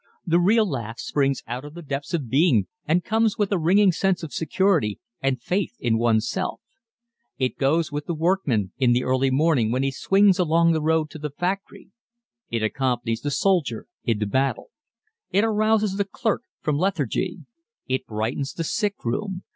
The real laugh springs out of the depths of being and comes with a ringing sense of security and faith in one's self. It goes with the workman in the early morning when he swings along the road to the factory. It accompanies the soldier into battle. It arouses the clerk from lethargy. It brightens the sick room.